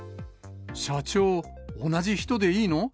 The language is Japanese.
社長、同じ人でいいの？